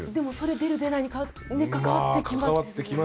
出る出ないが関わってきますよね。